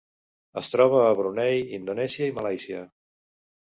Es troba a Brunei, Indonèsia i Malàisia.